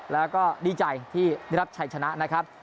แล้วก็ดีใจที่ได้รับชัยชนะนะครับ